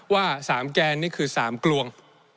ว่า๓แกนนี่คือ๓กลวง